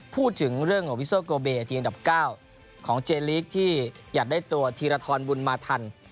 พูดถึงเรื่องของวิโซโกเบทีมอันดับ๙ของเจลีกที่อยากได้ตัวธีรทรบุญมาทัน